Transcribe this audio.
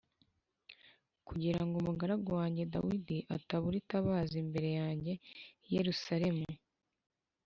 kugira ngo umugaragu wanjye Dawidi atabura itabaza imbere yanjye i Yerusalemu